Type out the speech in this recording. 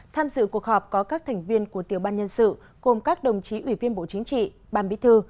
tham dự cuộc họp có các thành viên của tiểu ban nhân sự gồm các đồng chí ủy viên bộ chính trị ban bí thư